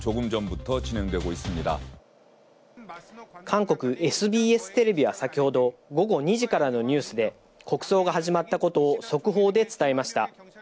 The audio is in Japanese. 韓国ＳＢＳテレビは先ほど午後２時からのニュースで、国葬が始まったことを速報で伝えました。